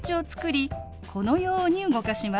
このように動かします。